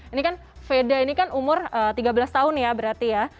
ini kan veda ini kan umur tiga belas tahun ya berarti ya